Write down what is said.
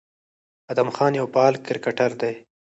ادم خان يو فعال کرکټر دى،